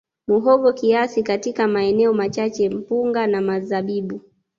Muhogo kiasi na katika maeneo machache mpunga na mzabibu